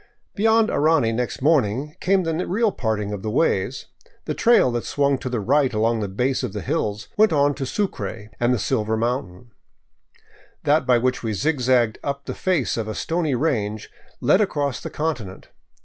Beyond Arani next morning came the real parting of the ways. The trail that swung to the right along the base of the hills went on to Sucre and the silver mountain; that by which we zigzagged up the face of a stony range led across the continent.